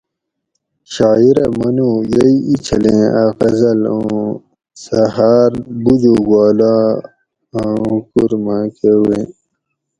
شاعرہ منو: یئ ایں چھلیں اۤ غزل اُوں سہۤ ہاۤر بُجوگ واۤلاۤ آں حکوکور میکہۤ ویں